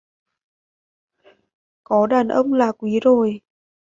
Có đàn ông là quý rồi